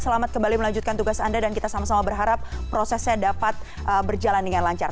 selamat kembali melanjutkan tugas anda dan kita sama sama berharap prosesnya dapat berjalan dengan lancar